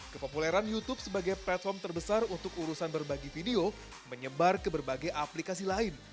kepopuleran youtube sebagai platform terbesar untuk urusan berbagi video menyebar ke berbagai aplikasi lain